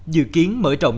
dự kiến mở rộng dân tộc